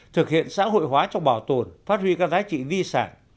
thực hiện xã hội hóa trong bảo tồn phát huy các giá trị di sản